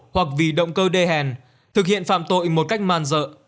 hoặc vì động cơ đê hèn thực hiện phạm tội một cách man dợ